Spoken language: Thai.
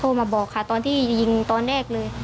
มาบอกค่ะตอนที่ยิงตอนแรกเลย